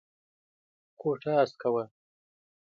کوټه هسکه وه.